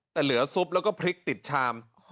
แต่เหลือซุปแล้วก็พริกติดชาม